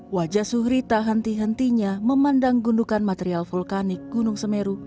wajah suhri tak henti hentinya memandang gundukan material vulkanik gunung semeru